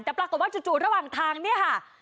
แต่ปรากฏว่าจู่ระหว่างทางเนี่ยค่ะ